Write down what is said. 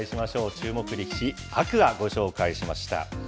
注目力士、天空海、ご紹介しました。